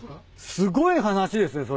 すごい話ですねそれ。